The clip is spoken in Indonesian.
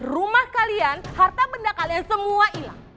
rumah kalian harta benda kalian semua hilang